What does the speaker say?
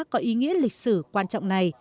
có ý nghĩa lịch sử quan trọng này